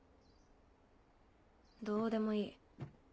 どうでもいい。